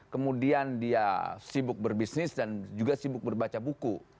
kemudian dia sibuk berbisnis dan juga sibuk berbaca buku